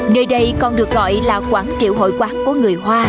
nơi đây còn được gọi là quảng triệu hội quán của người hoa